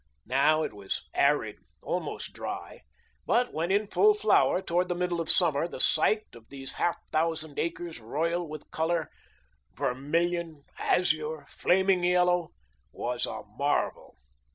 Now it was arid, almost dry, but when in full flower, toward the middle of summer, the sight of these half thousand acres royal with colour vermilion, azure, flaming yellow was a marvel.